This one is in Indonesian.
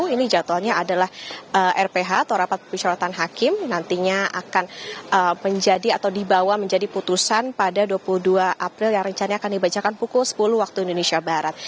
ini jadwalnya adalah rph atau rapat persyaratan hakim nantinya akan menjadi atau dibawa menjadi putusan pada dua puluh dua april yang rencana akan dibacakan pukul sepuluh waktu indonesia barat